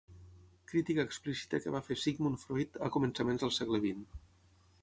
Crítica explícita que va fer Sigmund Freud a començaments del segle vint